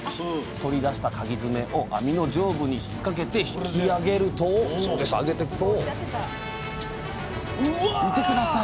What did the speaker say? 取り出したかぎ爪を網の上部に引っ掛けて引きあげると見て下さい！